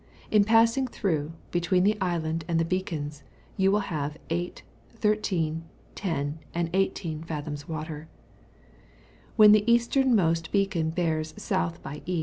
In passing through, between the island and the beacons, you will have 8, 13, 10, and 18 fathoms water. When the easternmost beacon bears S. by E.